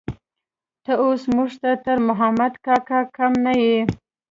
ته اوس موږ ته تر محمد کاکا کم نه يې.